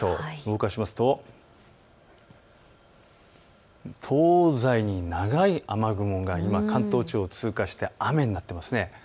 動かしますと東西に長い雨雲が今、関東地方を通過して雨になっています。